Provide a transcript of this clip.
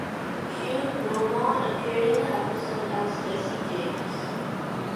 Hugh Beaumont appeared in the episode as Jesse James.